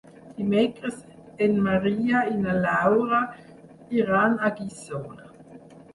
Dimecres en Maria i na Laura iran a Guissona.